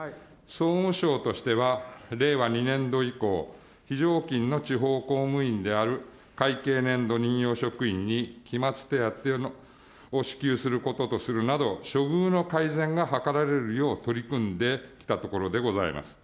総務省としては、令和２年度以降、非常勤の地方公務員である会計年度任用職員に期末手当を支給することとするなど、処遇の改善が図られるよう取り組んできたところでございます。